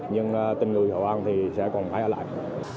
nhưng tình người hội an thì sẽ còn phải ở lại